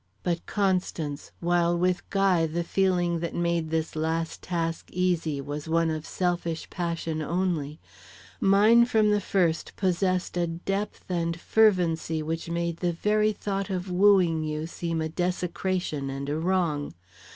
But, Constance, while with Guy the feeling that made this last task easy was one of selfish passion only, mine from the first possessed a depth and fervency which made the very thought of wooing you seem a desecration and a wrong.